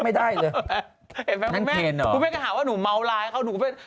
ไม่ได้เลยเห็นไหมนั่นเคนหรอกูไม่ก็หาว่าหนูเมาลายเขา